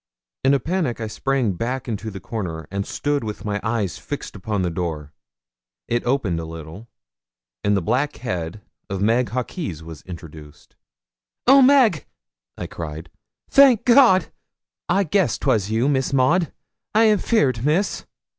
In a panic I sprang back into the corner, and stood with my eyes fixed upon the door. It opened a little, and the black head of Meg Hawkes was introduced. 'Oh, Meg!' I cried; 'thank God!' 'I guessed'twas you, Miss Maud. I am feared, Miss.'